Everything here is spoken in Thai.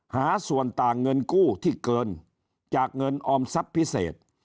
หาส่วนต่างเงินกู้ที่เกินจากเงินออมทรัพย์พิเศษ